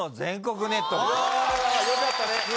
よかったね。